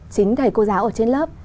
chính thầy cô giáo ở trên lớp